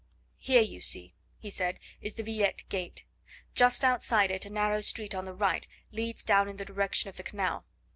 "Here you see," he said, "is the Villette gate. Just outside it a narrow street on the right leads down in the direction of the canal.